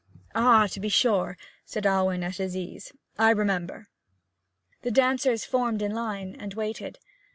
'Ah, to be sure!' said Alwyn, at his ease. 'I remember.' The dancers formed in line, and waited.